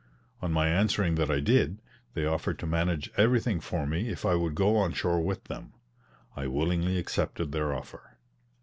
On my answering that I did, they offered to manage everything for me if I would go on shore with them. I willingly accepted their offer.